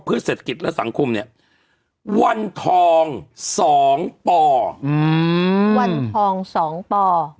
เพื่อเศรษฐกิจและสังคมเนี่ยวันทอง๒ป่อวันทอง๒ป่อ